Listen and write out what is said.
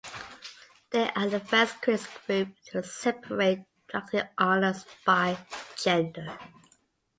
They are the first critics group to separate directing honors by gender.